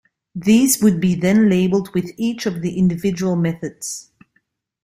These would be then labeled with each of the individual methods.